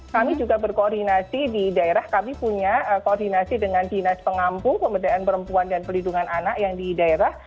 kami juga berkoordinasi di daerah kami punya koordinasi dengan dinas pengampu pemberdayaan perempuan dan pelindungan anak yang di daerah